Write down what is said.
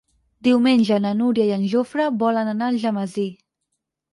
Diumenge na Núria i en Jofre volen anar a Algemesí.